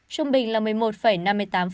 trung bình là một mươi một năm mươi tám mỗi năm